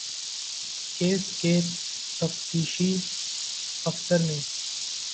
case کے تفتیشی افسر نے